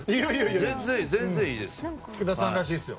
全然いいですよ。